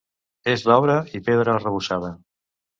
És d'obra i pedra arrebossada.